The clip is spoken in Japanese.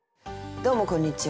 どうもこんにちは。